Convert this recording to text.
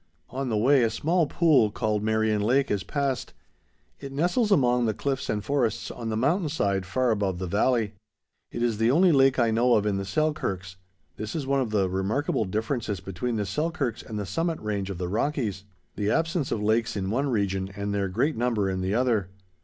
On the way, a small pool, called Marion Lake, is passed. It nestles among the cliffs and forests on the mountain side far above the valley. It is the only lake I know of in the Selkirks. This is one of the remarkable differences between the Selkirks and the Summit Range of the Rockies: the absence of lakes in one region, and their great number in the other.